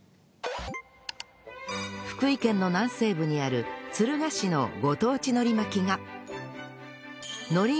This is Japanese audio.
福井県の南西部にある敦賀市のご当地海苔巻きが